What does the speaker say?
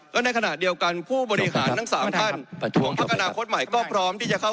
และในขณะเดียวกันผู้บริหารทั้งสามท่านของพักอนาคตใหม่ก็พร้อมที่จะเข้า